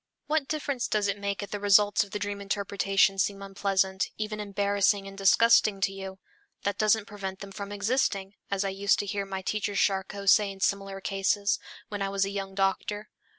What difference does it make if the results of the dream interpretation seem unpleasant, even embarrassing and disgusting to you? "That doesn't prevent them from existing," as I used to hear my teacher Charcot say in similar cases, when I was a young doctor.